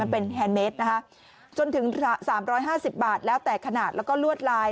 มันเป็นแฮนเมตต์นะคะจนถึงสามร้อยห้าสิบบาทแล้วแต่ขนาดแล้วก็ลวดลาย